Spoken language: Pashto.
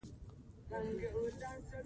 د دې اسان علاج مراقبه دے -